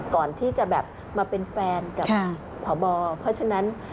ก่อนที่จะแบบมาเป็นแฟนกับพบเพราะฉะนั้น